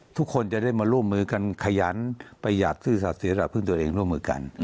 ทุกคนจะได้มาร่วมมือกันขยันประหยัดซื่อสัตว์เสียหลักพึ่งตัวเองร่วมมือกัน